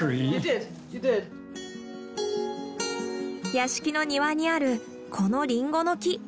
屋敷の庭にあるこのリンゴの木。